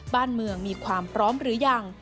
บ้านเมืองมีความพร้อมหรือยัง